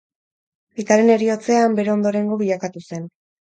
Aitaren heriotzean, bere ondorengo bilakatu zen.